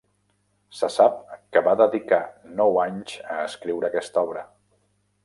Se sap que va dedicar nou anys a escriure aquesta obra.